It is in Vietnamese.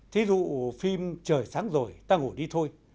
thí dụ phim trời sáng rồi ta ngủ đi thôi